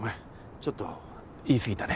ちょっと言い過ぎたね。